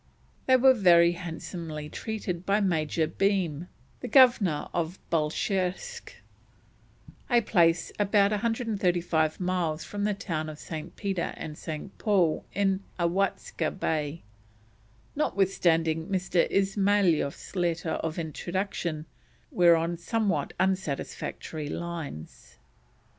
They were very handsomely treated by Major Behm, the Governor of Bolcheretsk, a place about 135 miles from the town of St. Peter and St. Paul in Awatska Bay, notwithstanding Mr. Ismailoff's letters of introduction were on somewhat unsatisfactory lines.